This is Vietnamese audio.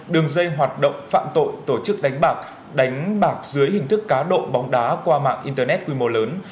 đường dây hoạt động phạm tội tổ chức đánh bạc đánh bạc dưới hình thức cá độ bóng đá qua mạng internet quy mô lớn